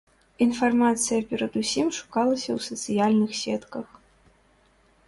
Інфармацыя перадусім шукалася ў сацыяльных сетках.